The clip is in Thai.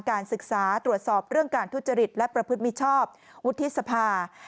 การศึกษาตรวจสอบเรื่องการทุจริตและประพฤติมิชชอบวุฒิสภา